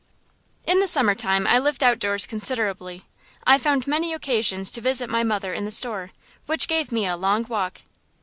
In the summer time I lived outdoors considerably. I found many occasions to visit my mother in the store, which gave me a long walk.